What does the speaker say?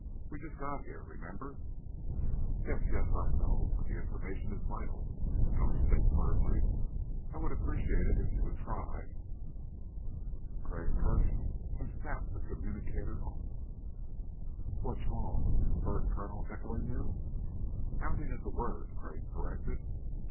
We just got here. Remember?" "Yes ... yes, I know. But the information is vital," Gotch said firmly. "I would appreciate it if you would try...." Crag cursed and snapped the communicator off. "What's wrong? The bird colonel heckling you?" "Hounding is the word," Crag corrected.